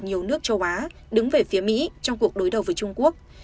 nhiều nước châu á đứng về phía mỹ trong cuộc đối đầu với trung quốc